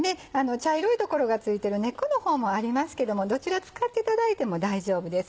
茶色い所が付いてる根っこの方もありますけどもどちら使っていただいても大丈夫です。